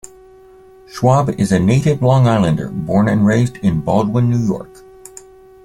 Schwab is a native Long Islander, born and raised in Baldwin, New York.